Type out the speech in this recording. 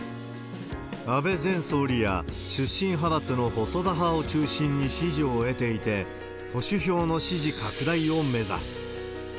安倍前総理や出身派閥の細田派を中心に支持を得ていて、保守票の支持拡大を目指す。